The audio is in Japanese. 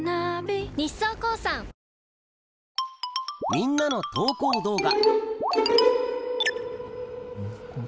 みんなの投稿動画